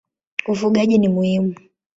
Ufugaji ni muhimu.